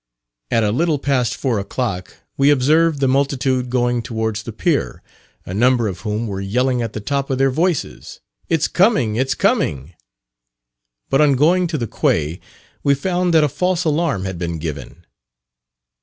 At a little past four o'clock, we observed the multitude going towards the pier, a number of whom were yelling at the top of their voices, "It's coming, it's coming;" but on going to the quay, we found that a false alarm had been given.